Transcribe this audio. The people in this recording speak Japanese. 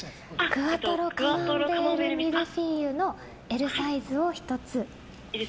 クワトロカマンベールミルフィーユのＬサイズを１つ。